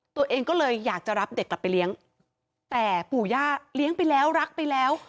ตัวเองก็เลยอยากจะรับเด็กกลับไปเลี้ยงแต่ปู่ย่าเลี้ยงไปแล้วรักไปแล้ว